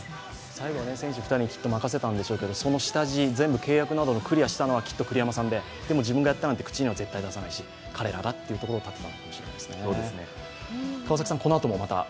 最後は選手２人にきっと任せたんでしょうけど、その下地、契約などもやったのはきっと栗山さんで、でも自分がやったなんて口には出さないし彼らがというところを立てたのかもしれませんね。